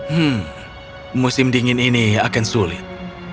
hmm musim dingin ini akan sulit